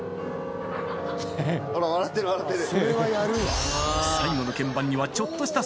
笑ってる笑ってる。